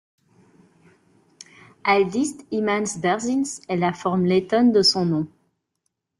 Aldis Imants Bērziņš est la forme lettone de son nom.